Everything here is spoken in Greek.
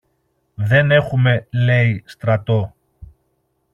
Δεν έχουμε, λέει, στρατό!